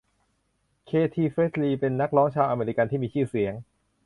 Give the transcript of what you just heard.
เคที เพร์รี เป็นนักร้องชาวอเมริกันที่มีชื่อเสียง